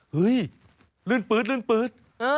เฮ้ยลื่นปืด